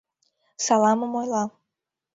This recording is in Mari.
Саламым ойла.